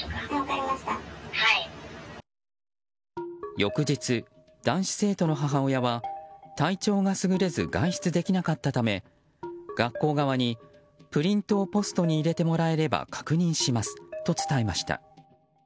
翌日、男子生徒の母親は体調が優れず外出できなかったため学校側にプリントをポストに入れてもらえれば確認しますと伝えました。